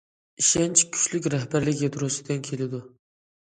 ئىشەنچ كۈچلۈك رەھبەرلىك يادروسىدىن كېلىدۇ.